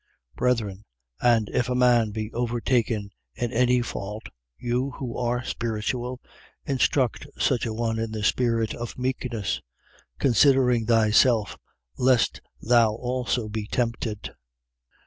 6:1. Brethren, and if a man be overtaken in any fault, you, who are spiritual, instruct such a one in the spirit of meekness, considering thyself, lest thou also be tempted.